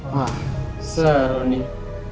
wah seru nih